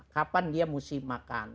kapan dia mesti makan